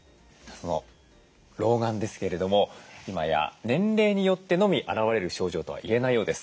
老眼ですけれども今や年齢によってのみ現れる症状とは言えないようです。